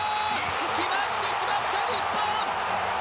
決まってしまった日本！